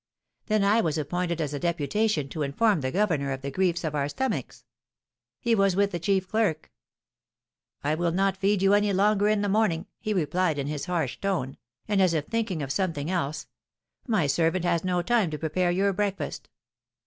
Then I was appointed as a deputation to inform the governor of the griefs of our stomachs. He was with the chief clerk. "I will not feed you any longer in the morning," he replied, in his harsh tone, and as if thinking of something else; "my servant has no time to prepare your breakfast."